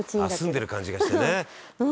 「澄んでる感じがしてね」